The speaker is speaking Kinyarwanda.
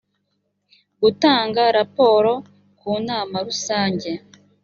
gutanga raporo ku nama rusange